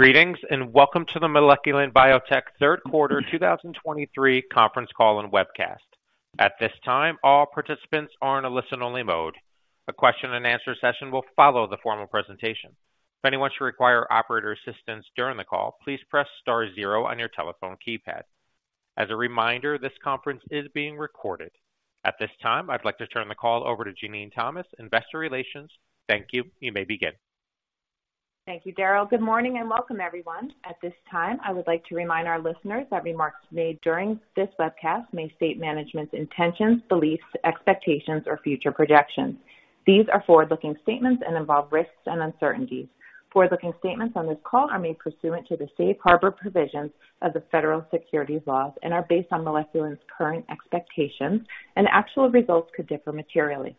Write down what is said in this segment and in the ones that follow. Greetings, and welcome to the Moleculin Biotech third quarter 2023 conference call and webcast. At this time, all participants are in a listen-only mode. A question and answer session will follow the formal presentation. If anyone should require operator assistance during the call, please press star zero on your telephone keypad. As a reminder, this conference is being recorded. At this time, I'd like to turn the call over to Jenene Thomas, Investor Relations. Thank you. You may begin. Thank you, Daryl. Good morning, and welcome, everyone. At this time, I would like to remind our listeners that remarks made during this webcast may state management's intentions, beliefs, expectations, or future projections. These are forward-looking statements and involve risks and uncertainties. Forward-looking statements on this call are made pursuant to the safe harbor provisions of the federal securities laws and are based on Moleculin's current expectations, and actual results could differ materially.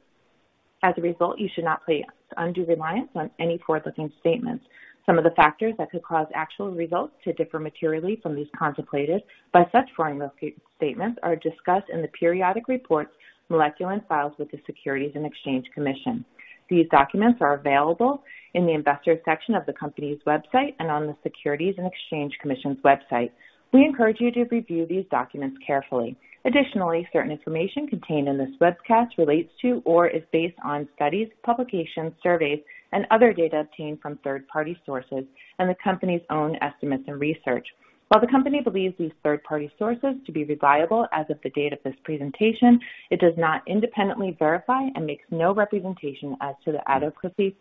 As a result, you should not place undue reliance on any forward-looking statements. Some of the factors that could cause actual results to differ materially from those contemplated by such forward-looking statements are discussed in the periodic reports Moleculin files with the Securities and Exchange Commission. These documents are available in the Investors section of the company's website and on the Securities and Exchange Commission's website. We encourage you to review these documents carefully. Additionally, certain information contained in this webcast relates to or is based on studies, publications, surveys, and other data obtained from third-party sources and the company's own estimates and research. While the company believes these third-party sources to be reliable as of the date of this presentation, it does not independently verify and makes no representation as to the adequacy,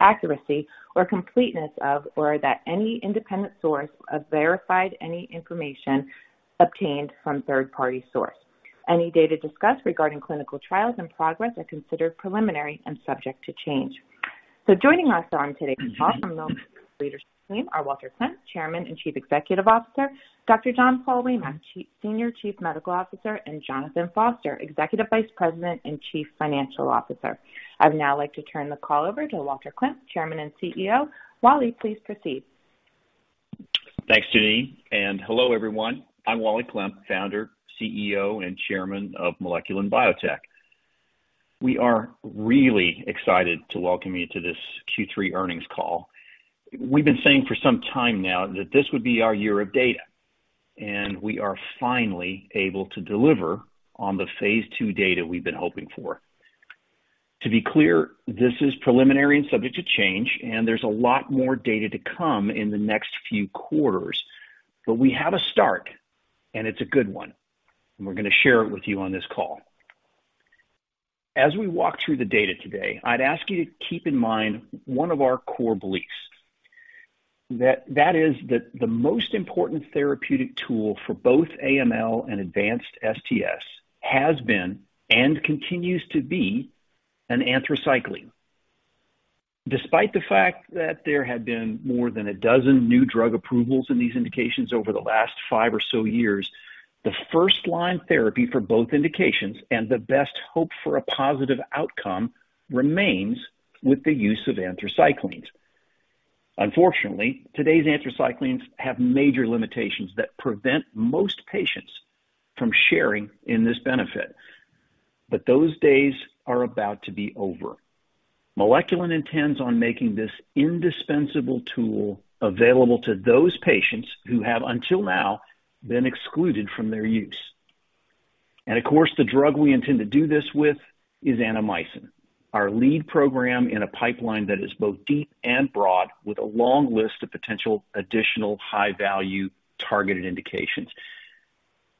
accuracy, or completeness of, or that any independent source have verified any information obtained from third-party source. Any data discussed regarding clinical trials and progress are considered preliminary and subject to change. Joining us on today's call from Moleculin leadership team are Walter Klemp, Chairman and Chief Executive Officer, Dr. John Paul Waymack, Senior Chief Medical Officer, and Jonathan Foster, Executive Vice President and Chief Financial Officer. I'd now like to turn the call over to Walter Klemp, Chairman and CEO. Wally, please proceed. Thanks, Jenene, and hello, everyone. I'm Wally Klemp, Founder, CEO, and Chairman of Moleculin Biotech. We are really excited to welcome you to this Q3 earnings call. We've been saying for some time now that this would be our year of data, and we are finally able to deliver on the phase II data we've been hoping for. To be clear, this is preliminary and subject to change, and there's a lot more data to come in the next few quarters. But we have a start, and it's a good one, and we're going to share it with you on this call. As we walk through the data today, I'd ask you to keep in mind one of our core beliefs, that is that the most important therapeutic tool for both AML and advanced STS has been and continues to be an anthracycline. Despite the fact that there have been more than a dozen new drug approvals in these indications over the last five or so years, the first-line therapy for both indications and the best hope for a positive outcome remains with the use of anthracyclines. Unfortunately, today's anthracyclines have major limitations that prevent most patients from sharing in this benefit. But those days are about to be over. Moleculin intends on making this indispensable tool available to those patients who have, until now, been excluded from their use. And of course, the drug we intend to do this with is annamycin, our lead program in a pipeline that is both deep and broad, with a long list of potential additional high-value targeted indications.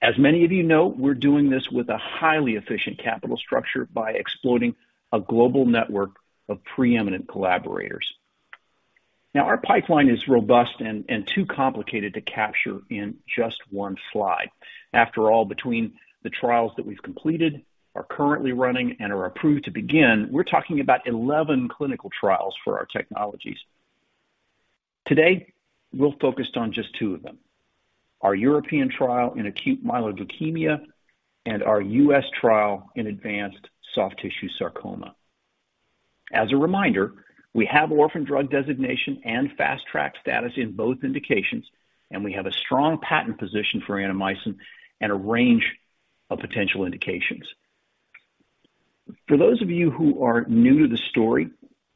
As many of you know, we're doing this with a highly efficient capital structure by exploiting a global network of preeminent collaborators. Now, our pipeline is robust and too complicated to capture in just one slide. After all, between the trials that we've completed, are currently running, and are approved to begin, we're talking about 11 clinical trials for our technologies. Today, we're focused on just two of them, our European trial in Acute Myeloid Leukemia and our U.S. trial in advanced soft tissue sarcoma. As a reminder, we have Orphan Drug Designation and Fast Track status in both indications, and we have a strong patent position for annamycin and a range of potential indications. For those of you who are new to the story,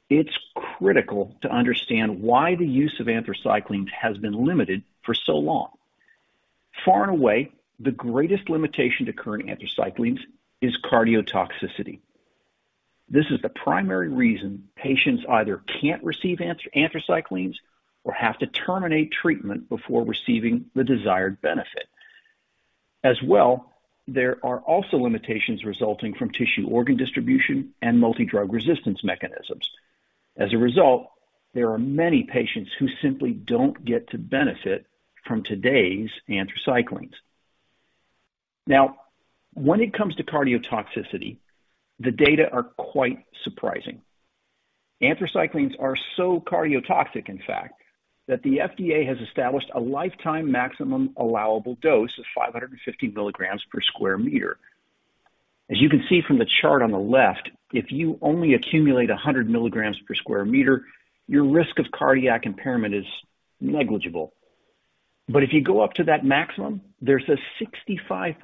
it's critical to understand why the use of anthracyclines has been limited for so long. Far and away, the greatest limitation to current anthracyclines is cardiotoxicity. This is the primary reason patients either can't receive anthracyclines or have to terminate treatment before receiving the desired benefit. As well, there are also limitations resulting from tissue organ distribution and multidrug resistance mechanisms. As a result, there are many patients who simply don't get to benefit from today's anthracyclines. Now, when it comes to cardiotoxicity, the data are quite surprising. Anthracyclines are so cardiotoxic, in fact, that the FDA has established a lifetime maximum allowable dose of 550 mg/m². As you can see from the chart on the left, if you only accumulate 100 mg/m², your risk of cardiac impairment is negligible. But if you go up to that maximum, there's a 65%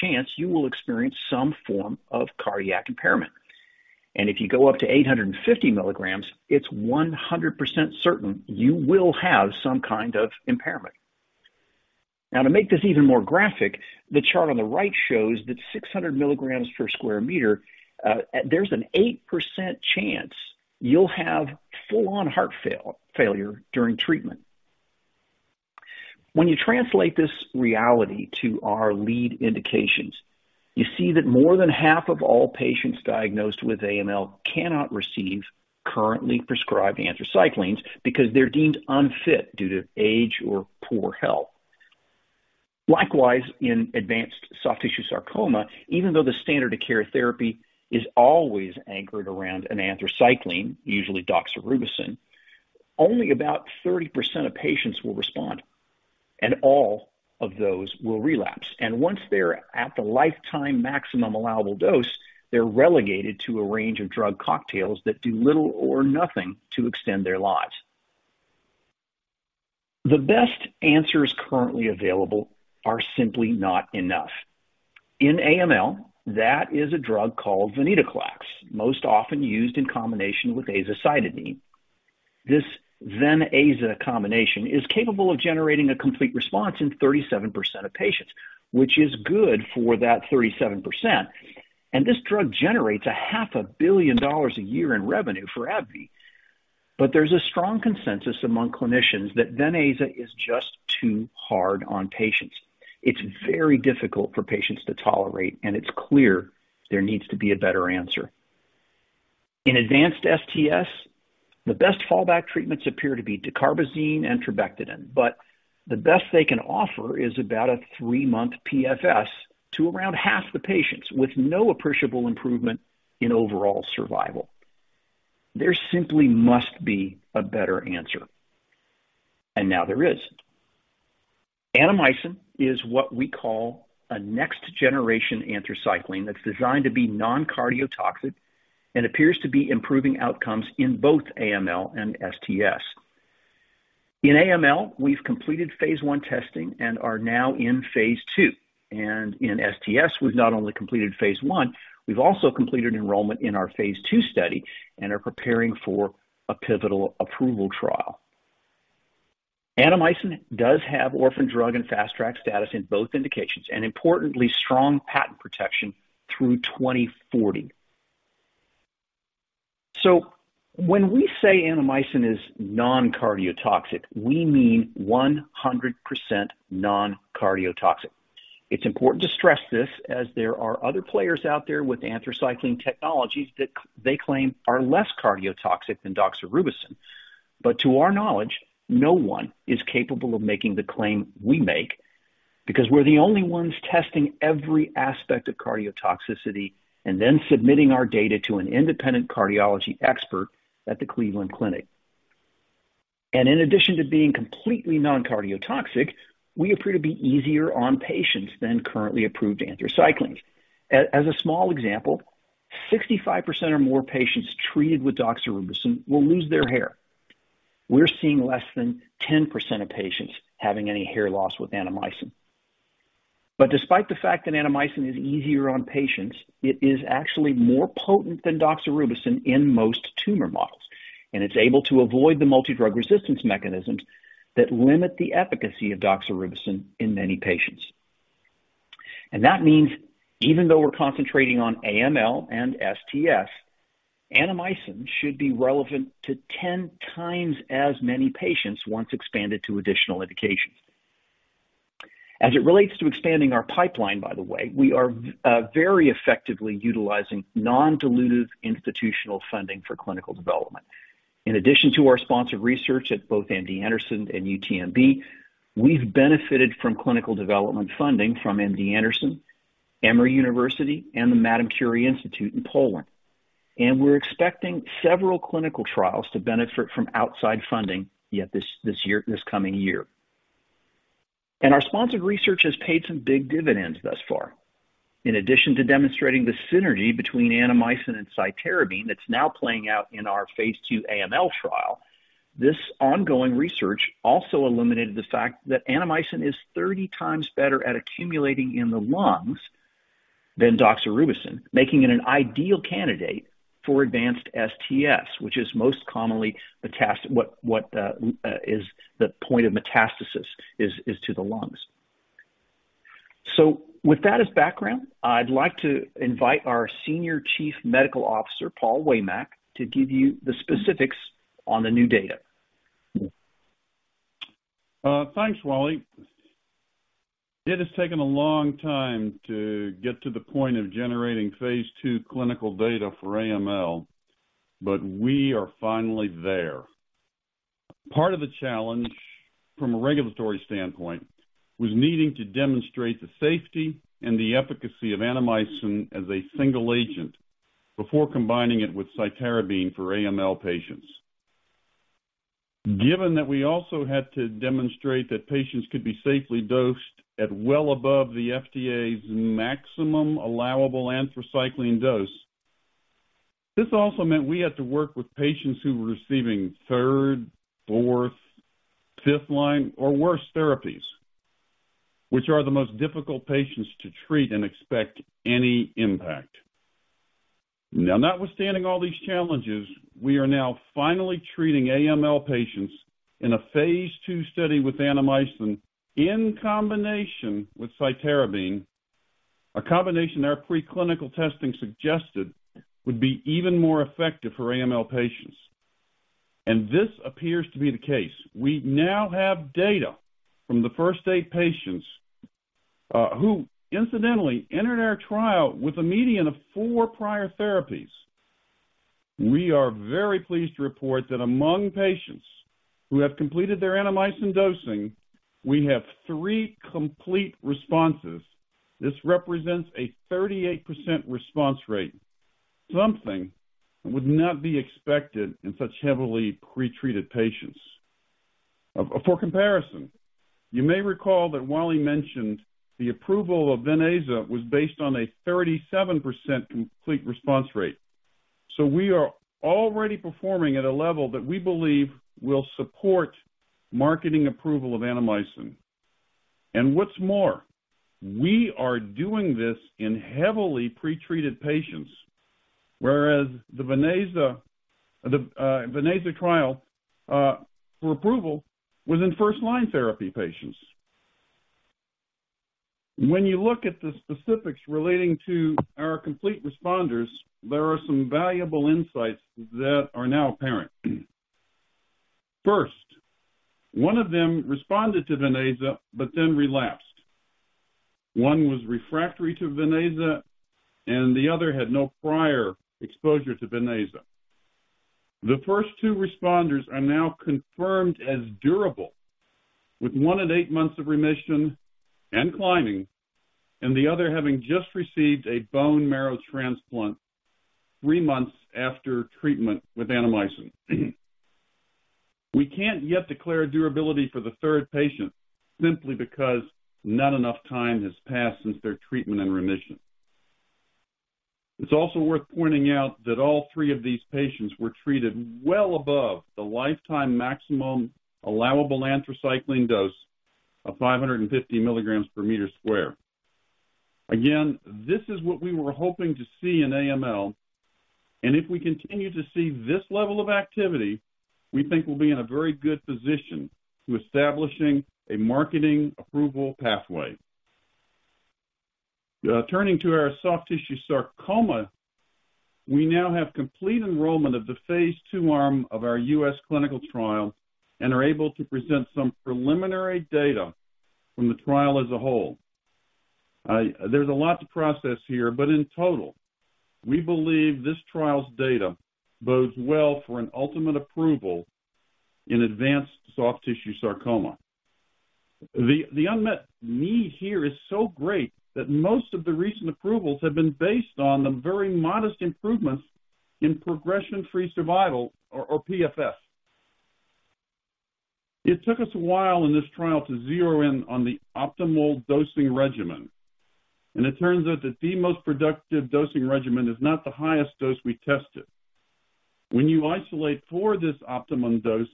chance you will experience some form of cardiac impairment. If you go up to 850 mg, it's 100% certain you will have some kind of impairment. Now, to make this even more graphic, the chart on the right shows that 600 mg/m², there's an 8% chance you'll have full-on heart failure during treatment. When you translate this reality to our lead indications, you see that more than half of all patients diagnosed with AML cannot receive currently prescribed anthracyclines because they're deemed unfit due to age or poor health. Likewise, in advanced soft tissue sarcoma, even though the standard of care therapy is always anchored around an anthracycline, usually doxorubicin, only about 30% of patients will respond, and all of those will relapse. Once they're at the lifetime maximum allowable dose, they're relegated to a range of drug cocktails that do little or nothing to extend their lives. The best answers currently available are simply not enough. In AML, that is a drug called venetoclax, most often used in combination with azacitidine. This venaza combination is capable of generating a complete response in 37% of patients, which is good for that 37%, and this drug generates $500 million a year in revenue for AbbVie. But there's a strong consensus among clinicians that venaza is just too hard on patients. It's very difficult for patients to tolerate, and it's clear there needs to be a better answer. In advanced STS, the best fallback treatments appear to be dacarbazine and trabectedin, but the best they can offer is about a 3-month PFS to around half the patients, with no appreciable improvement in overall survival. There simply must be a better answer, and now there is annamycin is what we call a next-generation anthracycline that's designed to be non-cardiotoxic and appears to be improving outcomes in both AML and STS. In AML, we've completed phase I testing and are now in phase II, and in STS, we've not only completed phase I, we've also completed enrollment in our phase II study and are preparing for a pivotal approval trial. annamycin does have Orphan Drug and Fast Track status in both indications, and importantly, strong patent protection through 2040. So when we say annamycin is non-cardiotoxic, we mean 100% non-cardiotoxic. It's important to stress this as there are other players out there with anthracycline technologies that they claim are less cardiotoxic than doxorubicin. But to our knowledge, no one is capable of making the claim we make because we're the only ones testing every aspect of cardiotoxicity and then submitting our data to an independent cardiology expert at the Cleveland Clinic. And in addition to being completely non-cardiotoxic, we appear to be easier on patients than currently approved anthracyclines. As a small example, 65% or more patients treated with doxorubicin will lose their hair. We're seeing less than 10% of patients having any hair loss with annamycin. But despite the fact that annamycin is easier on patients, it is actually more potent than doxorubicin in most tumor models, and it's able to avoid the multidrug resistance mechanisms that limit the efficacy of doxorubicin in many patients. And that means even though we're concentrating on AML and STS, annamycin should be relevant to 10x as many patients once expanded to additional indications. As it relates to expanding our pipeline, by the way, we are very effectively utilizing non-dilutive institutional funding for clinical development. In addition to our sponsored research at both MD Anderson and UTMB, we've benefited from clinical development funding from MD Anderson, Emory University, and the Madame Curie Institute in Poland. And we're expecting several clinical trials to benefit from outside funding yet this year, this coming year. And our sponsored research has paid some big dividends thus far. In addition to demonstrating the synergy between annamycin and cytarabine that's now playing out in our phase II AML trial, this ongoing research also illuminated the fact that annamycin is 30x better at accumulating in the lungs than doxorubicin, making it an ideal candidate for advanced STS, which is most commonly the point of metastasis to the lungs. So with that as background, I'd like to invite our Senior Chief Medical Officer, John Paul Waymack, to give you the specifics on the new data. Thanks, Wally. It has taken a long time to get to the point of generating phase II clinical data for AML, but we are finally there. Part of the challenge, from a regulatory standpoint, was needing to demonstrate the safety and the efficacy of annamycin as a single agent before combining it with cytarabine for AML patients. Given that we also had to demonstrate that patients could be safely dosed at well above the FDA's maximum allowable anthracycline dose. This also meant we had to work with patients who were receiving third, fourth, fifth line or worse therapies, which are the most difficult patients to treat and expect any impact. Now, notwithstanding all these challenges, we are now finally treating AML patients in a phase II study with annamycin in combination with cytarabine, a combination our preclinical testing suggested would be even more effective for AML patients. This appears to be the case. We now have data from the first eight patients, who incidentally entered our trial with a median of four prior therapies. We are very pleased to report that among patients who have completed their annamycin dosing, we have three complete responses. This represents a 38% response rate, something that would not be expected in such heavily pre-treated patients. For comparison, you may recall that Wally mentioned the approval of Venclexta was based on a 37% complete response rate. So we are already performing at a level that we believe will support marketing approval of annamycin. And what's more, we are doing this in heavily pre-treated patients, whereas the Venclexta, the, Venclexta trial, for approval was in first line therapy patients. When you look at the specifics relating to our complete responders, there are some valuable insights that are now apparent. First, one of them responded to Venclexta, but then relapsed. One was refractory to Venclexta, and the other had no prior exposure to Venclexta. The first two responders are now confirmed as durable, with one at eight months of remission and climbing, and the other having just received a bone marrow transplant three months after treatment with annamycin. We can't yet declare durability for the third patient, simply because not enough time has passed since their treatment and remission. It's also worth pointing out that all three of these patients were treated well above the lifetime maximum allowable anthracycline dose of 550 mg/m². Again, this is what we were hoping to see in AML, and if we continue to see this level of activity, we think we'll be in a very good position to establishing a marketing approval pathway. Turning to our soft tissue sarcoma, we now have complete enrollment of the phase II arm of our US clinical trial and are able to present some preliminary data from the trial as a whole. There's a lot to process here, but in total, we believe this trial's data bodes well for an ultimate approval in advanced soft tissue sarcoma. The unmet need here is so great that most of the recent approvals have been based on the very modest improvements in progression-free survival, or PFS. It took us a while in this trial to zero in on the optimal dosing regimen, and it turns out that the most productive dosing regimen is not the highest dose we tested. When you isolate for this optimum dose,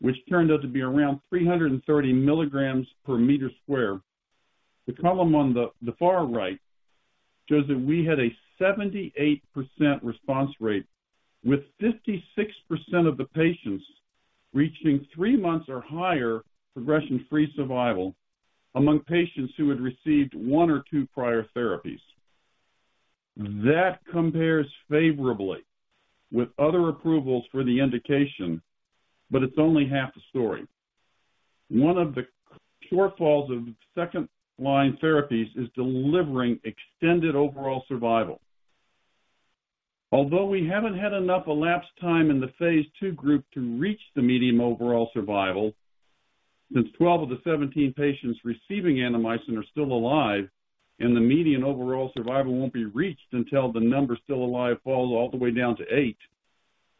which turned out to be around 330 mg/m², the column on the far right shows that we had a 78% response rate, with 56% of the patients reaching three months or higher progression-free survival among patients who had received one or two prior therapies. That compares favorably with other approvals for the indication, but it's only half the story. One of the shortfalls of second-line therapies is delivering extended overall survival. Although we haven't had enough elapsed time in the phase II group to reach the median overall survival, since 12 of the 17 patients receiving annamycin are still alive and the median overall survival won't be reached until the number still alive falls all the way down to eight,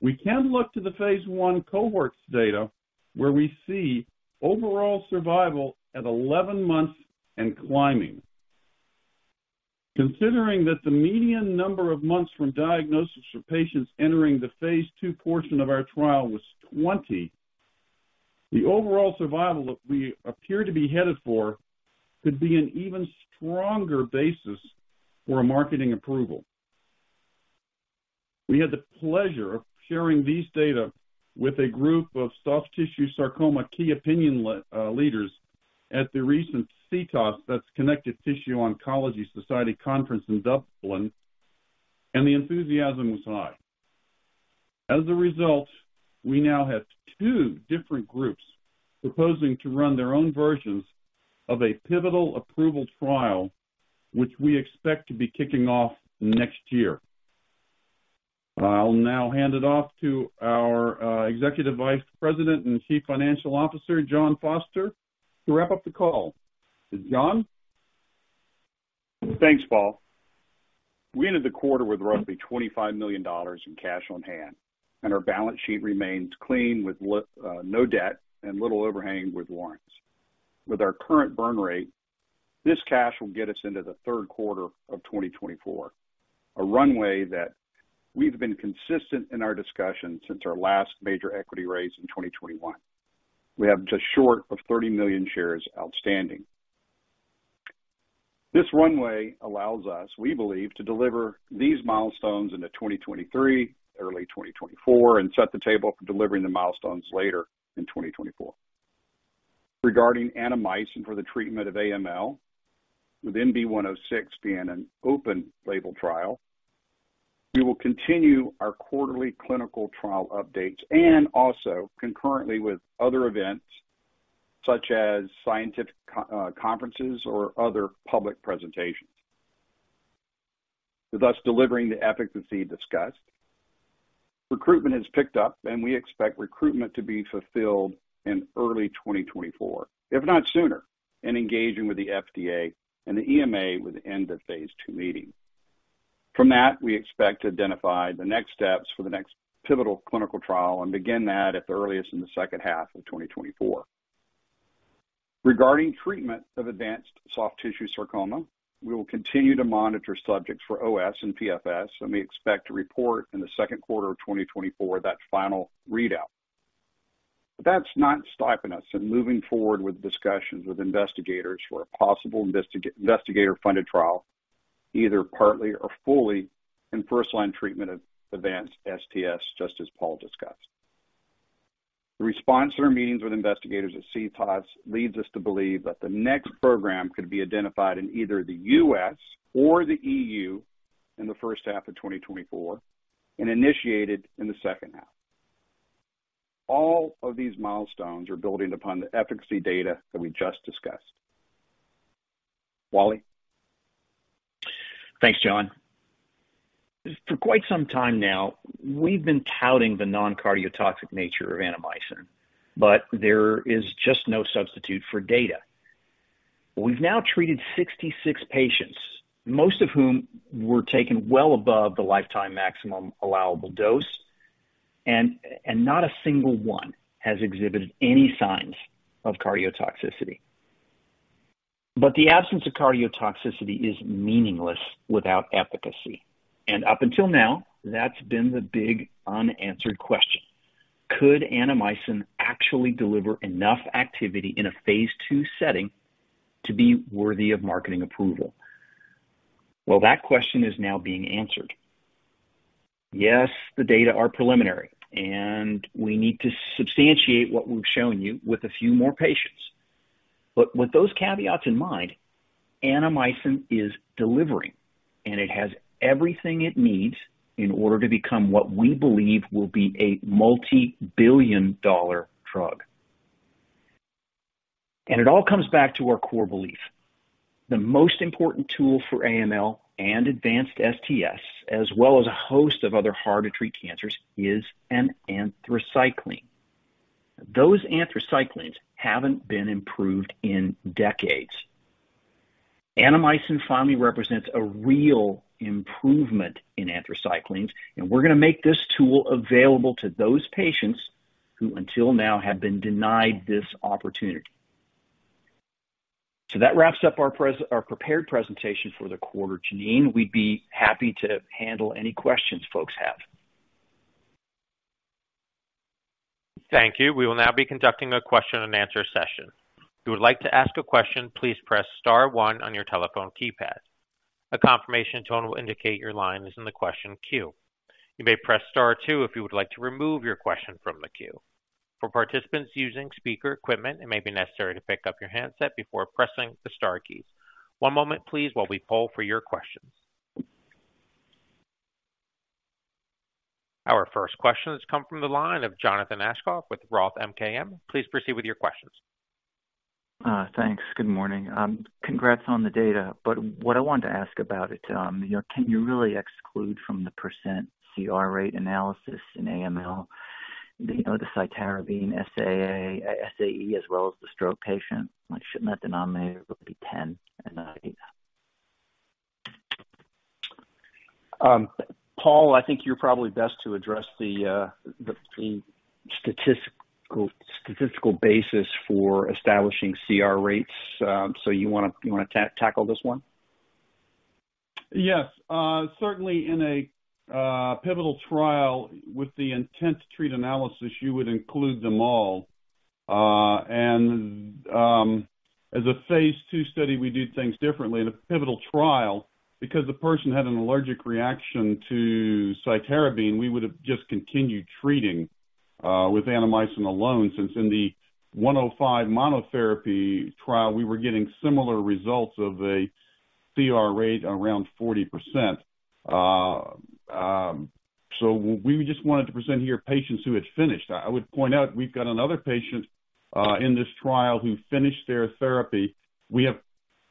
we can look to the phase I cohort's data, where we see overall survival at 11 months and climbing. Considering that the median number of months from diagnosis for patients entering the phase II portion of our trial was 20, the overall survival that we appear to be headed for could be an even stronger basis for a marketing approval. We had the pleasure of sharing these data with a group of soft tissue sarcoma key opinion leaders at the recent CTOS, that's Connective Tissue Oncology Society, conference in Dublin, and the enthusiasm was high. As a result, we now have two different groups proposing to run their own versions of a pivotal approval trial, which we expect to be kicking off next year. I'll now hand it off to our Executive Vice President and Chief Financial Officer, Jonathan Foster, to wrap up the call. John? Thanks, Paul. We ended the quarter with roughly $25 million in cash on hand, and our balance sheet remains clean, with no debt and little overhang with warrants. With our current burn rate-... This cash will get us into the third quarter of 2024, a runway that we've been consistent in our discussion since our last major equity raise in 2021. We have just short of 30 million shares outstanding. This runway allows us, we believe, to deliver these milestones into 2023, early 2024, and set the table for delivering the milestones later in 2024. Regarding annamycin for the treatment of AML, with MB-106 being an open-label trial, we will continue our quarterly clinical trial updates and also concurrently with other events such as scientific conferences or other public presentations, with us delivering the efficacy discussed. Recruitment has picked up, and we expect recruitment to be fulfilled in early 2024, if not sooner, and engaging with the FDA and the EMA with the end-of-phase II meeting. From that, we expect to identify the next steps for the next pivotal clinical trial and begin that at the earliest in the second half of 2024. Regarding treatment of advanced soft tissue sarcoma, we will continue to monitor subjects for OS and PFS, and we expect to report in the second quarter of 2024 that final readout. But that's not stopping us in moving forward with discussions with investigators for a possible investigator-funded trial, either partly or fully, in first-line treatment of advanced STS, just as Paul discussed. The response to our meetings with investigators at CTOS leads us to believe that the next program could be identified in either the U.S. or the E.U. in the first 1/2 of 2024 and initiated in the second half. All of these milestones are building upon the efficacy data that we just discussed. Wally? Thanks, John. For quite some time now, we've been touting the non-cardiotoxic nature of annamycin, but there is just no substitute for data. We've now treated 66 patients, most of whom were taken well above the lifetime maximum allowable dose, and not a single one has exhibited any signs of cardiotoxicity. But the absence of cardiotoxicity is meaningless without efficacy, and up until now, that's been the big unanswered question: Could annamycin actually deliver enough activity in a phase two setting to be worthy of marketing approval? Well, that question is now being answered. Yes, the data are preliminary, and we need to substantiate what we've shown you with a few more patients. But with those caveats in mind, annamycin is delivering, and it has everything it needs in order to become what we believe will be a multi-billion dollar drug. And it all comes back to our core belief, the most important tool for AML and advanced STS, as well as a host of other hard-to-treat cancers, is an anthracycline. Those anthracyclines haven't been improved in decades. annamycin finally represents a real improvement in anthracyclines, and we're gonna make this tool available to those patients who, until now, have been denied this opportunity. So that wraps up our prepared presentation for the quarter, Jenene. We'd be happy to handle any questions folks have. Thank you. We will now be conducting a question and answer session. If you would like to ask a question, please press star one on your telephone keypad. A confirmation tone will indicate your line is in the question queue. You may press star two if you would like to remove your question from the queue. For participants using speaker equipment, it may be necessary to pick up your handset before pressing the star keys. One moment, please, while we poll for your questions. Our first question has come from the line of Jonathan Aschoff with Roth MKM. Please proceed with your questions. Thanks. Good morning. Congrats on the data, but what I wanted to ask about it, you know, can you really exclude from the % CR rate analysis in AML, the cytarabine, SAA, SAE, as well as the stroke patient? Shouldn't that denominator be 10 and not eight? Paul, I think you're probably best to address the statistical basis for establishing CR rates. So you wanna tackle this one? Yes. Certainly in a pivotal trial with the intent-to-treat analysis, you would include them all. And, as a phase two study, we do things differently. In a pivotal trial, because the person had an allergic reaction to cytarabine, we would have just continued treating with annamycin alone, since in the 105 monotherapy trial, we were getting similar results of a CR rate around 40%. So we just wanted to present here patients who had finished. I would point out we've got another patient in this trial who finished their therapy. We have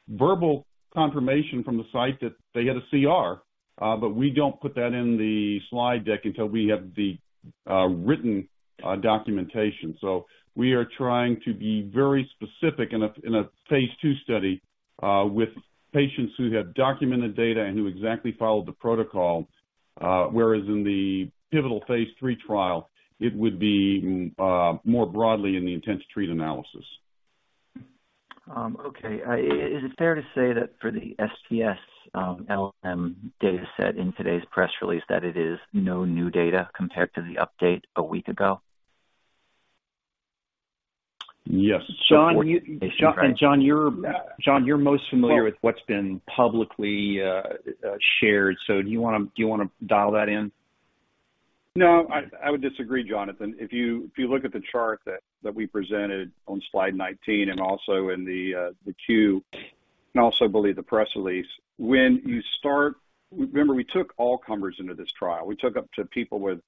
verbal confirmation from the site that they get a CR, but we don't put that in the slide deck until we have the written documentation. So we are trying to be very specific in a phase II study with patients who have documented data and who exactly followed the protocol, whereas in the pivotal phase III trial, it would be more broadly in the intent-to-treat analysis. Okay. Is it fair to say that for the STS, LM data set in today's press release, that it is no new data compared to the update a week ago? Yes. John, you're most familiar with what's been publicly shared, so do you wanna dial that in? No, I would disagree, Jonathan. If you look at the chart that we presented on slide 19 and also in the Q, and I also believe the press release, when you start... Remember, we took all comers into this trial. We took people with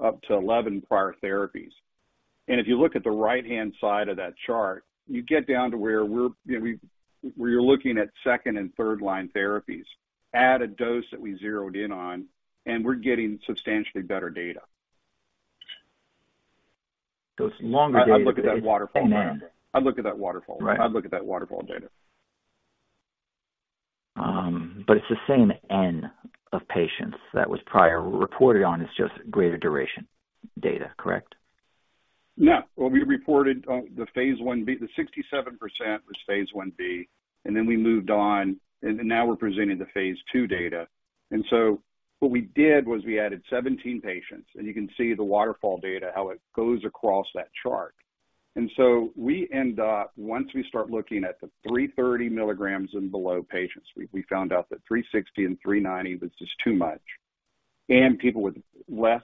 up to 11 prior therapies. If you look at the right-hand side of that chart, you get down to where we're, you know, where you're looking at second- and third-line therapies, at a dose that we zeroed in on, and we're getting substantially better data. Those longer- I'd look at that waterfall. I'd look at that waterfall. Right. I'd look at that waterfall data. But it's the same N of patients that was prior reported on, it's just greater duration data, correct? No. Well, we reported on the phase I-B, the 67% was phase I-B, and then we moved on, and now we're presenting the phase II data. And so what we did was we added 17 patients, and you can see the waterfall data, how it goes across that chart. And so we end up, once we start looking at the 330 mg and below patients, we, we found out that 360 and 390 was just too much, and people with less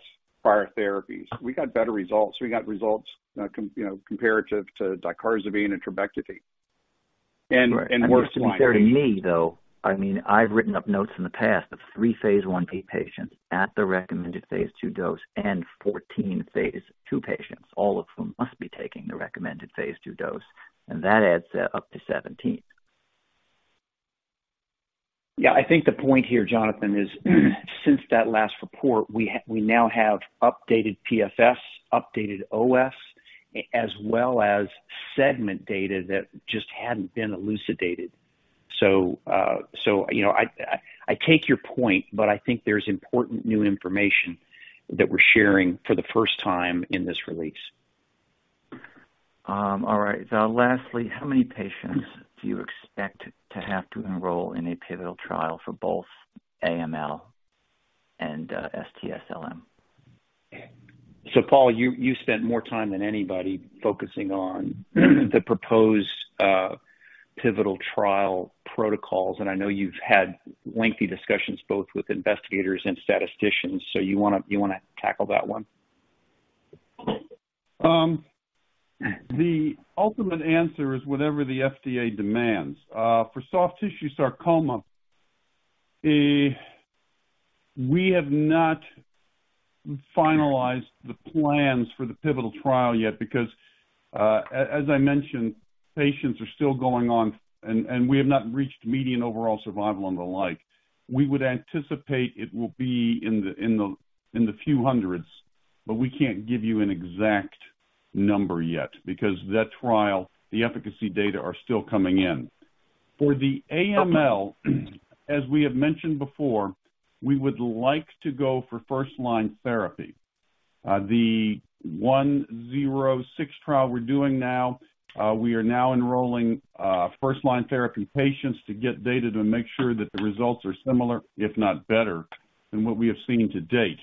prior therapies, we got better results. We got results, you know, comparative to dacarbazine and trabectedin. And- Right. And more specifically to me, though, I mean, I've written up notes in the past of three phase I-A patients at the recommended Phase II dose and 14 Phase II patients, all of whom must be taking the recommended Phase II dose, and that adds up to 17. Yeah. I think the point here, Jonathan, is, since that last report, we now have updated PFS, updated OS, as well as segment data that just hadn't been elucidated. So, you know, I take your point, but I think there's important new information that we're sharing for the first time in this release. All right. So lastly, how many patients do you expect to have to enroll in a pivotal trial for both AML and STS LM? So Paul, you spent more time than anybody focusing on the proposed pivotal trial protocols, and I know you've had lengthy discussions both with investigators and statisticians, so you wanna tackle that one? The ultimate answer is whatever the FDA demands. For soft tissue sarcoma, we have not finalized the plans for the pivotal trial yet because, as I mentioned, patients are still going on, and we have not reached median overall survival and the like. We would anticipate it will be in the few hundreds, but we can't give you an exact number yet because that trial, the efficacy data are still coming in. For the AML, as we have mentioned before, we would like to go for first-line therapy. The 106 trial we're doing now, we are now enrolling first-line therapy patients to get data to make sure that the results are similar, if not better, than what we have seen to date.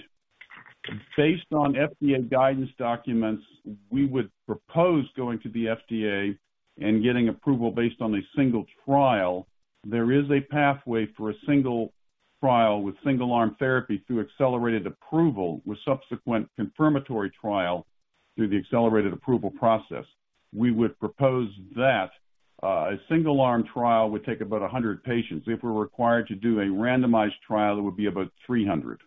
Based on FDA guidance documents, we would propose going to the FDA and getting approval based on a single trial. There is a pathway for a single trial with single-arm therapy through accelerated approval, with subsequent confirmatory trial through the accelerated approval process. We would propose that, a single-arm trial would take about 100 patients. If we're required to do a randomized trial, it would be about 300.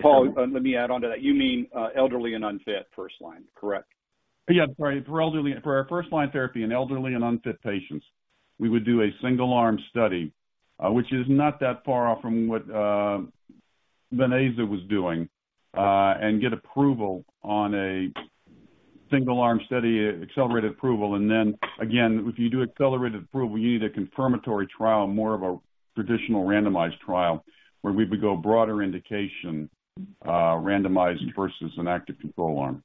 Paul, let me add on to that. You mean elderly and unfit first line, correct? Yeah, sorry. For elderly, for our first-line therapy in elderly and unfit patients, we would do a single-arm study, which is not that far off from what Venclexta was doing, and get approval on a single-arm study, accelerated approval. And then again, if you do accelerated approval, you need a confirmatory trial, more of a traditional randomized trial, where we would go broader indication, randomized versus an active control arm.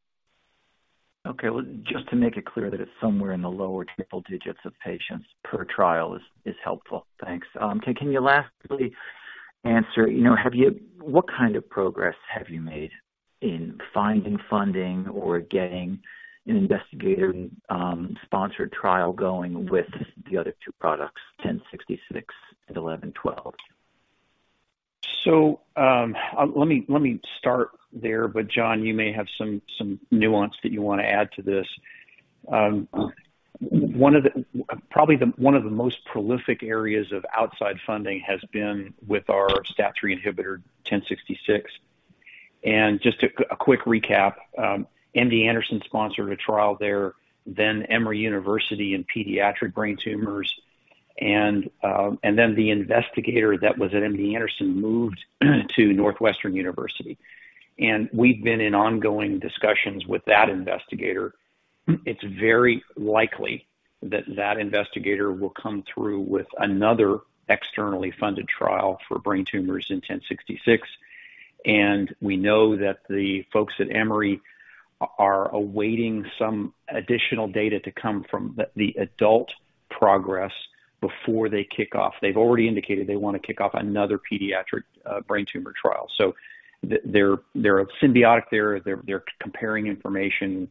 Okay. Well, just to make it clear that it's somewhere in the lower triple digits of patients per trial is helpful. Thanks. So can you lastly answer, you know, have you... What kind of progress have you made in finding funding or getting an investigator sponsored trial going with the other two products, WP1066 and WP1122? So, let me start there, but John, you may have some nuance that you want to add to this. One of the most prolific areas of outside funding has been with our STAT-3 inhibitor, WP1066. And just a quick recap, MD Anderson sponsored a trial there, then Emory University in pediatric brain tumors, and then the investigator that was at MD Anderson moved to Northwestern University. And we've been in ongoing discussions with that investigator. It's very likely that that investigator will come through with another externally funded trial for brain tumors in WP1066, and we know that the folks at Emory are awaiting some additional data to come from the adult progress before they kick off. They've already indicated they want to kick off another pediatric brain tumor trial. So they're symbiotic there. They're comparing information.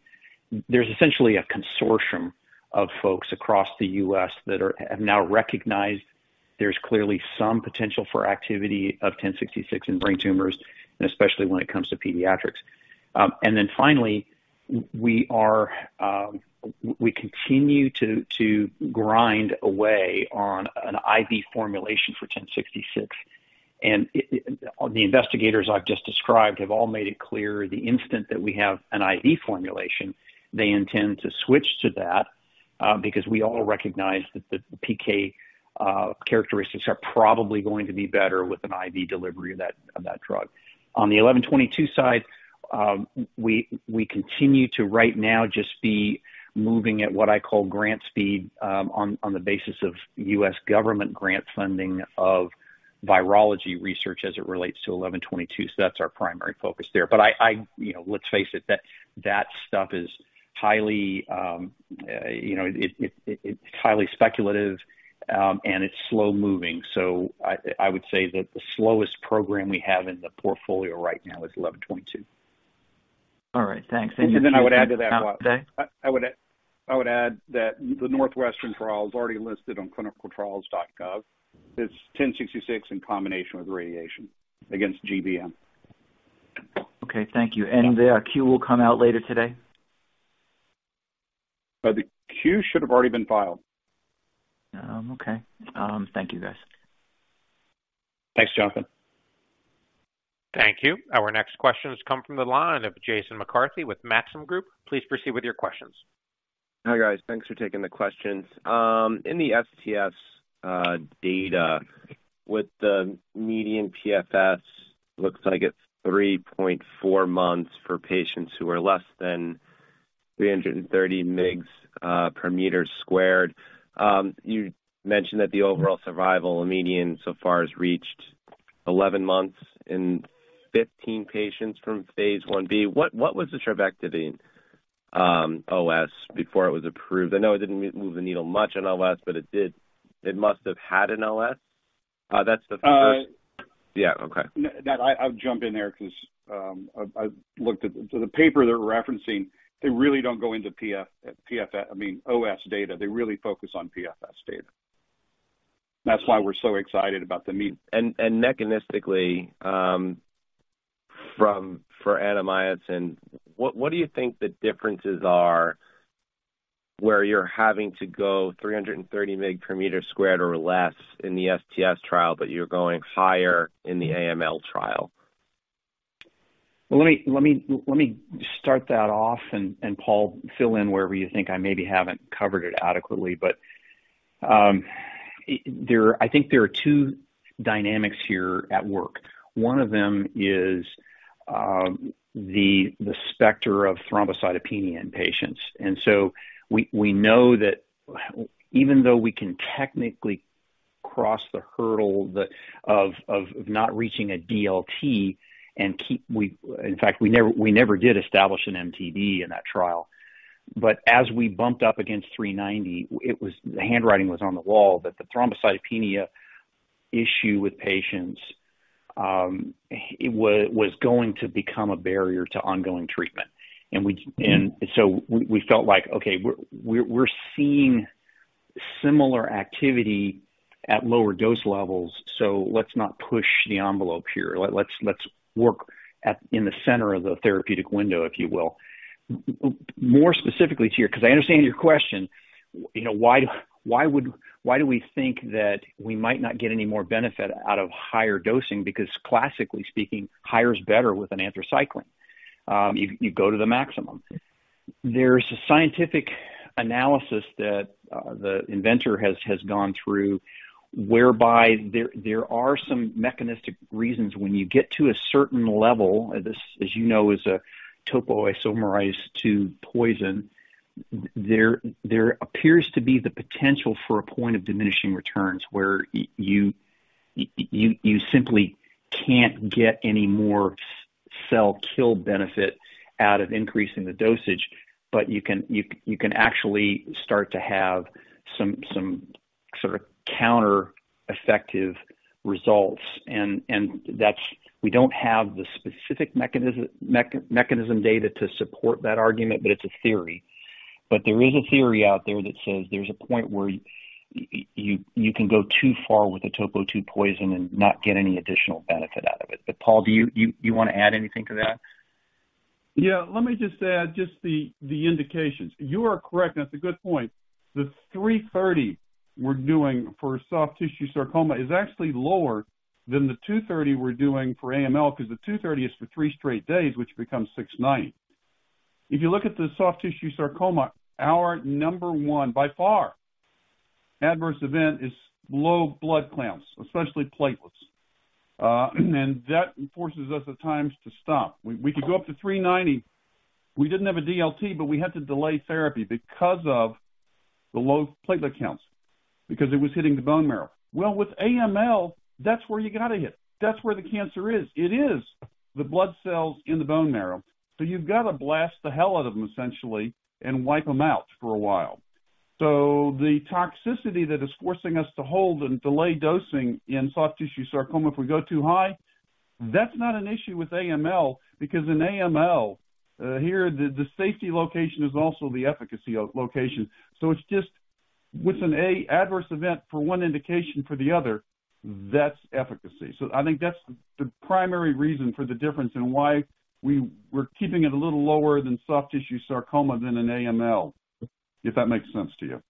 There's essentially a consortium of folks across the U.S. that have now recognized there's clearly some potential for activity of WP1066 in brain tumors, and especially when it comes to pediatrics. And then finally, we continue to grind away on an IV formulation for WP1066, and the investigators I've just described have all made it clear, the instant that we have an IV formulation, they intend to switch to that, because we all recognize that the PK characteristics are probably going to be better with an IV delivery of that drug. On the WP1122 side, we continue to right now just be moving at what I call grant speed, on the basis of U.S. government grant funding of virology research as it relates to WP1122. So that's our primary focus there. But I, you know, let's face it, that stuff is highly, you know, it, it's highly speculative, and it's slow-moving. So I would say that the slowest program we have in the portfolio right now is WP1122. All right, thanks. And then I would add to that, I would add that the Northwestern trial is already listed on ClinicalTrials.gov. It's WP1066 in combination with radiation against GBM. Okay, thank you. And the Q will come out later today? The Q should have already been filed. Okay. Thank you, guys. Thanks, Jonathan. Thank you. Our next question has come from the line of Jason McCarthy with Maxim Group. Please proceed with your questions. Hi, guys. Thanks for taking the questions. In the STS data, with the median PFS, looks like it's 3.4 months for patients who are less than 330 mg/m². You mentioned that the overall survival median so far has reached 11 months in 15 patients from phase 1-B. What was the trabectedin OS before it was approved? I know it didn't move the needle much on OS, but it did... it must have had an OS. That's the first- Uh. Yeah. Okay. That, I'll jump in there because I looked at the... So the paper they're referencing, they really don't go into PFS, I mean, OS data. They really focus on PFS data. That's why we're so excited about the me- Mechanistically, for annamycin, what do you think the differences are, where you're having to go 330 mg/m² or less in the STS trial, but you're going higher in the AML trial? Well, let me start that off, and Paul, fill in wherever you think I maybe haven't covered it adequately. But there, I think there are two dynamics here at work. One of them is the specter of thrombocytopenia in patients. And so we know that even though we can technically cross the hurdle of not reaching a DLT and keep... We, in fact, we never did establish an MTD in that trial. But as we bumped up against 390, it was the handwriting was on the wall that the thrombocytopenia issue with patients, it was going to become a barrier to ongoing treatment. And so we felt like, okay, we're seeing similar activity at lower dose levels, so let's not push the envelope here. Let's work at in the center of the therapeutic window, if you will. More specifically to your, because I understand your question, you know, why, why would, why do we think that we might not get any more benefit out of higher dosing? Because classically speaking, higher is better with an anthracycline. You go to the maximum. There's a scientific analysis that the inventor has gone through, whereby there are some mechanistic reasons when you get to a certain level, this, as you know, is a topoisomerase II poison. There appears to be the potential for a point of diminishing returns, where you simply can't get any more cell kill benefit out of increasing the dosage, but you can actually start to have some sort of counter-effective results. And that's, we don't have the specific mechanism data to support that argument, but it's a theory. But there is a theory out there that says there's a point where you can go too far with the topo II poison and not get any additional benefit out of it. But Paul, do you want to add anything to that? Yeah. Let me just add the indications. You are correct, and that's a good point. The 330 we're doing for soft tissue sarcoma is actually lower than the 230 we're doing for AML, because the 230 is for three straight days, which becomes 690. If you look at the soft tissue sarcoma, our number one, by far, adverse event is low blood counts, especially platelets. And that forces us at times to stop. We could go up to 390. We didn't have a DLT, but we had to delay therapy because of the low platelet counts, because it was hitting the bone marrow. Well, with AML, that's where you gotta hit. That's where the cancer is. It is the blood cells in the bone marrow. So you've got to blast the hell out of them, essentially, and wipe them out for a while. So the toxicity that is forcing us to hold and delay dosing in soft tissue sarcoma if we go too high, that's not an issue with AML, because in AML, the safety location is also the efficacy location. So it's just, what's an adverse event for one indication for the other, that's efficacy. So I think that's the primary reason for the difference in why we're keeping it a little lower than soft tissue sarcoma than an AML, if that makes sense to you.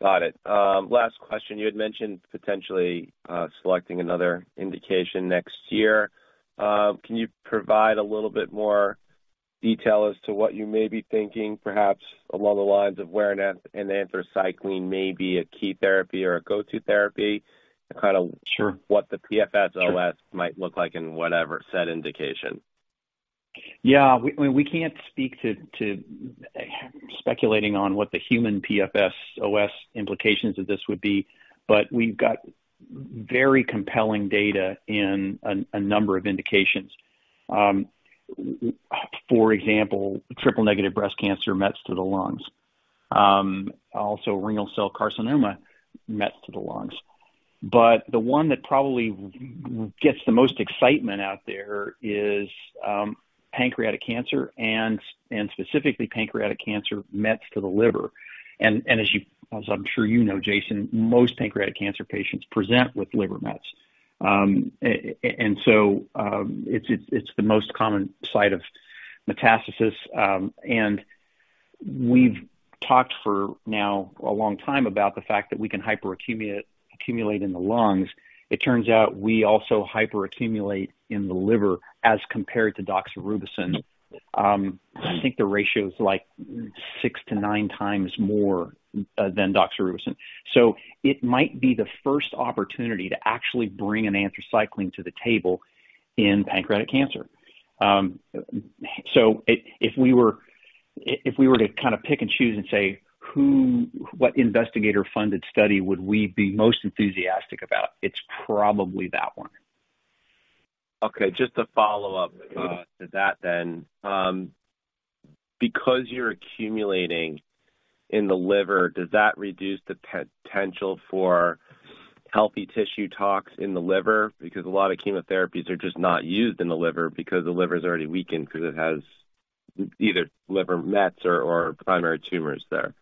Got it. Last question, you had mentioned potentially selecting another indication next year. Can you provide a little bit more detail as to what you may be thinking, perhaps along the lines of where an anthracycline may be a key therapy or a go-to therapy? To kind of- Sure. what the PFS, OS Sure. might look like in whatever set indication. Yeah, we can't speak to speculating on what the human PFS, OS implications of this would be, but we've got very compelling data in a number of indications. For example, triple-negative breast cancer mets to the lungs. Also renal cell carcinoma mets to the lungs. But the one that probably gets the most excitement out there is pancreatic cancer and specifically pancreatic cancer mets to the liver. And as you... As I'm sure you know, Jason, most pancreatic cancer patients present with liver mets. And so, it's the most common site of metastasis, and we've talked for now a long time about the fact that we can hyperaccumulate in the lungs. It turns out we also hyperaccumulate in the liver as compared to doxorubicin. I think the ratio is like 6-9x more than doxorubicin. So it might be the first opportunity to actually bring an anthracycline to the table in pancreatic cancer. If we were to kind of pick and choose and say, who, what investigator-funded study would we be most enthusiastic about? It's probably that one. Okay, just to follow up to that then. Because you're accumulating in the liver, does that reduce the potential for healthy tissue tox in the liver? Because a lot of chemotherapies are just not used in the liver, because the liver is already weakened, because it has either liver mets or primary tumors there.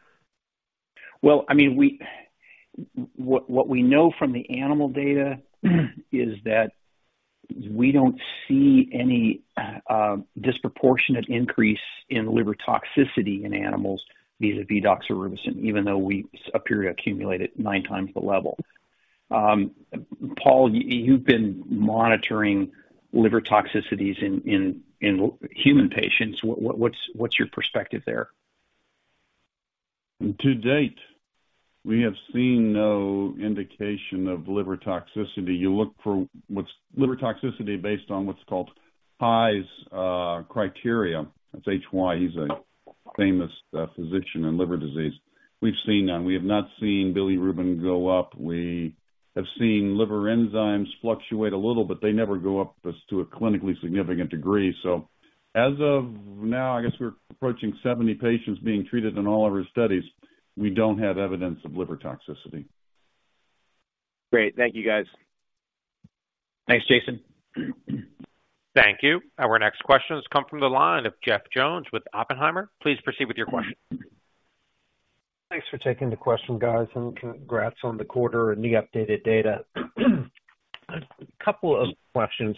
Well, I mean, what we know from the animal data is that we don't see any disproportionate increase in liver toxicity in animals, vis-à-vis doxorubicin, even though we appear to accumulate it nine times the level. Paul, you've been monitoring liver toxicities in human patients. What's your perspective there? To date, we have seen no indication of liver toxicity. You look for what is liver toxicity based on what's called Hy's criteria. It's H-Y. He's a famous physician in liver disease. We've seen none. We have not seen bilirubin go up. We have seen liver enzymes fluctuate a little, but they never go up to a clinically significant degree. So as of now, I guess we're approaching 70 patients being treated in all of our studies. We don't have evidence of liver toxicity. Great. Thank you, guys. Thanks, Jason. Thank you. Our next question has come from the line of Jeff Jones with Oppenheimer. Please proceed with your question. Thanks for taking the question, guys, and congrats on the quarter and the updated data. A couple of questions.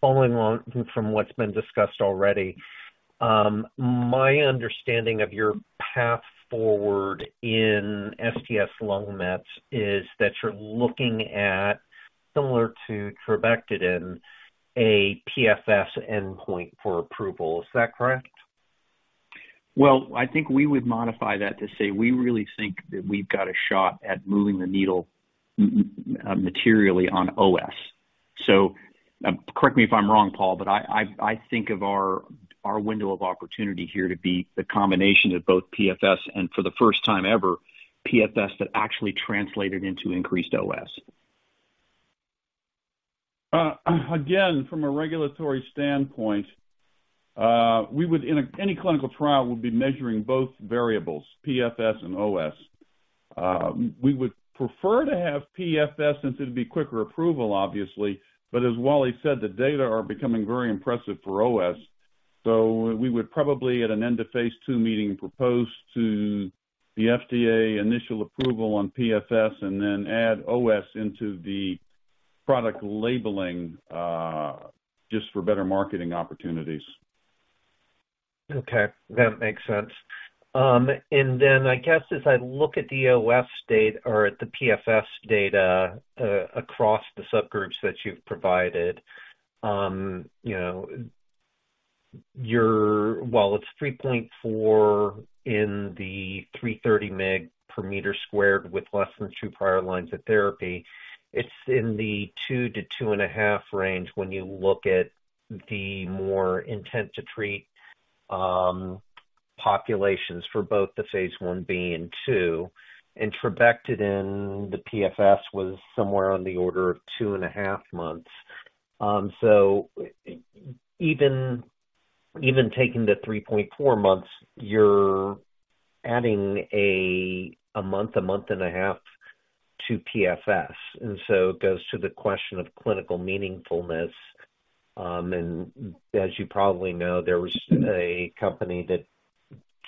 Following on from what's been discussed already, my understanding of your path forward in STS lung mets is that you're looking at, similar to trabectedin, a PFS endpoint for approval. Is that correct? Well, I think we would modify that to say we really think that we've got a shot at moving the needle, materially on OS. So, correct me if I'm wrong, Paul, but I think of our window of opportunity here to be the combination of both PFS and for the first time ever, PFS that actually translated into increased OS. Again, from a regulatory standpoint, we would, in any clinical trial, we'll be measuring both variables, PFS and OS. We would prefer to have PFS since it'd be quicker approval, obviously, but as Wally said, the data are becoming very impressive for OS. So we would probably, at an end of phase II meeting, propose to the FDA initial approval on PFS and then add OS into the product labeling, just for better marketing opportunities. Okay, that makes sense. And then I guess as I look at the OS data or at the PFS data across the subgroups that you've provided, you know, you're, well, it's 3.4 in the 330 mg/m² with less than two prior lines of therapy. It's in the 2-2.5 range when you look at the more intent-to-treat populations for both the Phase I-B and II. In trabectedin, the PFS was somewhere on the order of 2.5 months. So even taking the 3.4 months, you're adding a month, a month and a half to PFS, and so it goes to the question of clinical meaningfulness. And as you probably know, there was a company that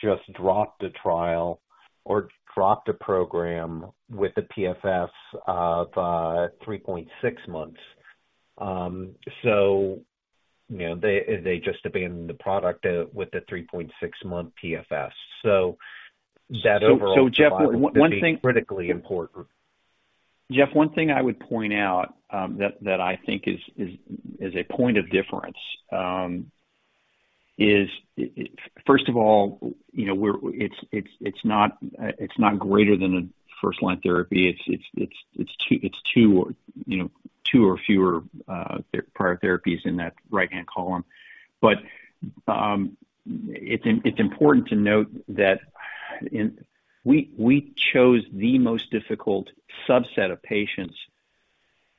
just dropped a trial or dropped a program with a PFS of 3.6 months. So, you know, they, they just abandoned the product with the 3.6-month PFS. So that overall- Jeff, one thing- -critically important. Jeff, one thing I would point out, that I think is a point of difference, is first of all, you know, we're. It's not greater than a first-line therapy. It's two or fewer prior therapies in that right-hand column. But it's important to note that. We chose the most difficult subset of patients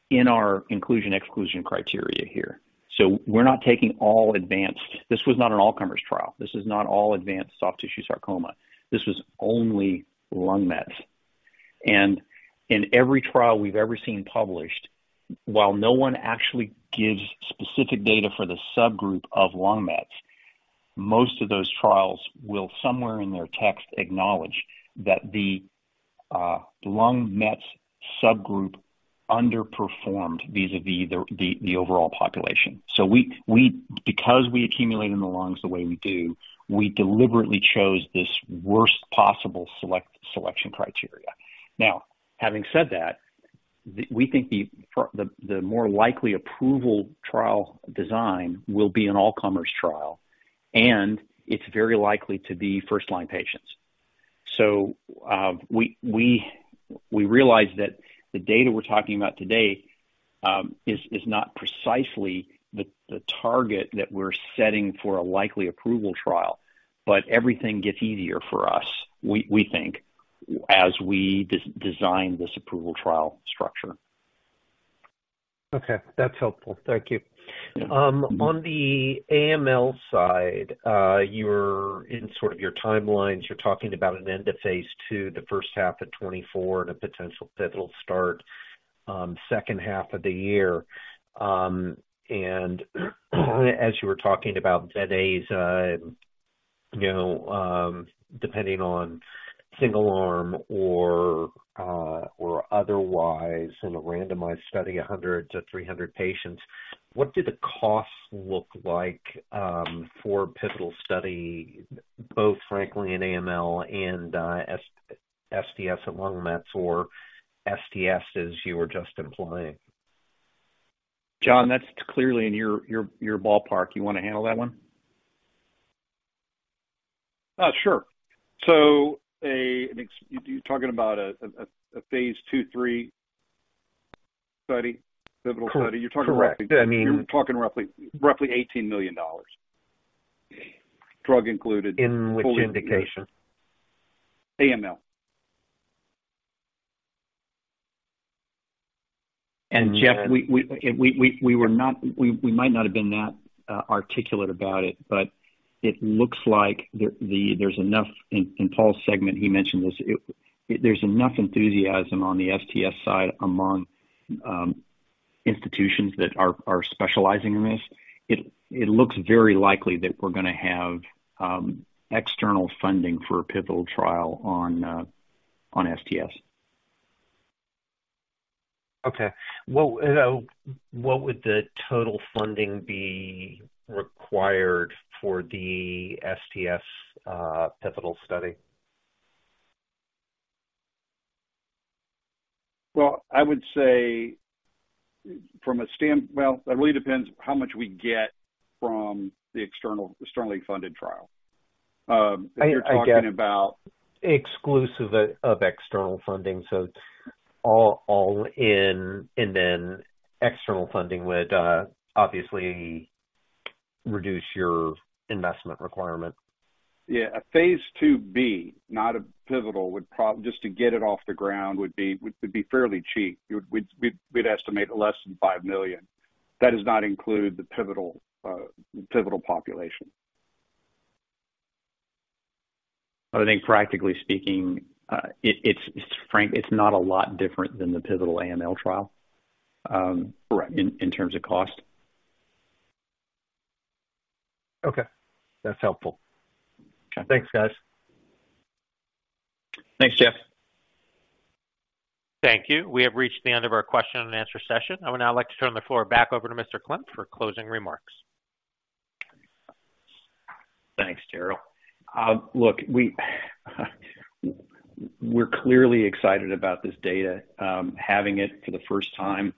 in our inclusion/exclusion criteria here, so we're not taking all advanced. This was not an all-comers trial. This is not all advanced soft tissue sarcoma. This was only lung mets. And in every trial we've ever seen published, while no one actually gives specific data for the subgroup of lung Mets, most of those trials will, somewhere in their text, acknowledge that the lung Mets subgroup underperformed vis-à-vis the overall population. So because we accumulate in the lungs the way we do, we deliberately chose this worst possible selection criteria. Now, having said that, we think the more likely approval trial design will be an all-comers trial, and it's very likely to be first-line patients. So we realize that the data we're talking about today is not precisely the target that we're setting for a likely approval trial, but everything gets easier for us, we think, as we design this approval trial structure. Okay, that's helpful. Thank you. On the AML side, you're in sort of your timelines. You're talking about an end to phase II, the first 1/2 of 2024, and a potential pivotal start, second half of the year. As you were talking about today's, you know, depending on single arm or otherwise in a randomized study, 100-300 patients, what do the costs look like for pivotal study, both frankly in AML and STS and lung mets or STS, as you were just implying? John, that's clearly in your ballpark. You want to handle that one? Sure. So, you're talking about a Phase II, III study, pivotal study? Correct. You're talking roughly- I mean- You're talking roughly, roughly $18 million, drug included. In which indication? AML. And Jeff, we were not—we might not have been that articulate about it, but it looks like there's enough. In Paul's segment, he mentioned this, there's enough enthusiasm on the STS side among institutions that are specializing in this. It looks very likely that we're gonna have external funding for a pivotal trial on STS. Okay. Well, what would the total funding be required for the STS pivotal study? Well, it really depends how much we get from the external, externally funded trial. You're talking about- Exclusive of external funding, so it's all in, and then external funding would obviously reduce your investment requirement. Yeah. A Phase II-B, not a pivotal, would just to get it off the ground, would be fairly cheap. We'd estimate less than $5 million. That does not include the pivotal population. I think practically speaking, it's not a lot different than the pivotal AML trial, Right... In terms of cost. Okay. That's helpful. Okay. Thanks, guys. Thanks, Jeff. Thank you. We have reached the end of our question and answer session. I would now like to turn the floor back over to Mr. Klemp for closing remarks. Thanks, Daryl. Look, we, we're clearly excited about this data. Having it for the first time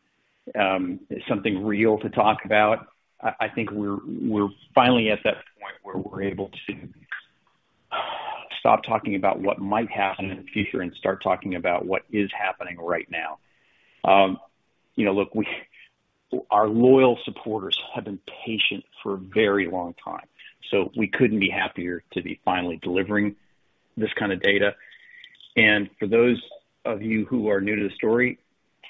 is something real to talk about. I think we're finally at that point where we're able to stop talking about what might happen in the future and start talking about what is happening right now. You know, look, we-- our loyal supporters have been patient for a very long time, so we couldn't be happier to be finally delivering this kind of data. And for those of you who are new to the story,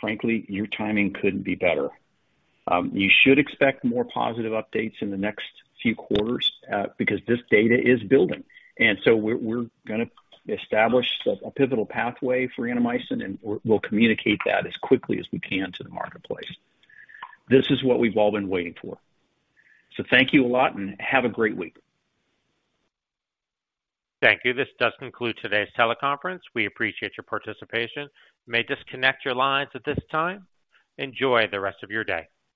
frankly, your timing couldn't be better. You should expect more positive updates in the next few quarters because this data is building, and so we're gonna establish a pivotal pathway for annamycin, and we'll communicate that as quickly as we can to the marketplace. This is what we've all been waiting for. Thank you a lot, and have a great week. Thank you. This does conclude today's teleconference. We appreciate your participation. You may disconnect your lines at this time. Enjoy the rest of your day.